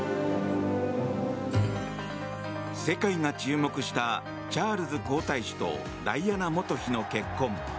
世界が注目したチャールズ皇太子とダイアナ元妃の結婚。